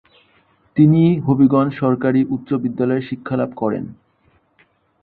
তিনি হবিগঞ্জ সরকারি উচ্চ বিদ্যালয়ে শিক্ষা লাভ করেন।